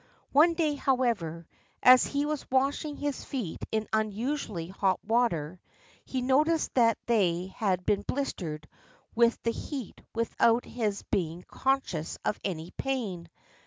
One day, however, as he was washing his feet in unusually hot water, he noticed that they had been bHstered with the heat without his being conscious of any pain.